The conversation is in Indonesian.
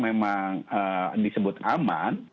memang disebut aman